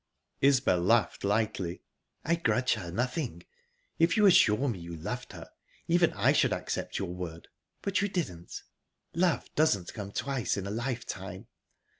Isbel laughed lightly. "I grudge her nothing. If you assured me you loved her, even I should accept your word...But you didn't. Love doesn't come twice in a lifetime...